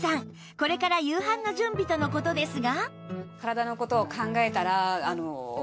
これから夕飯の準備との事ですが